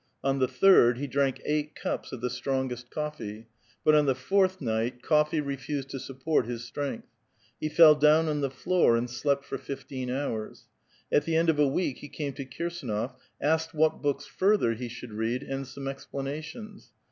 On the third he drank eight cups of the strongest coffee ; but on the fourth night coffee refused to support his strength. He fell down on the floor, and slept for fifteen hours. At the end of a week he came to Kirsdnof, asked what books further he should read, and' some explanations.